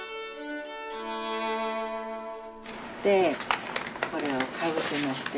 でこれをかぶせまして。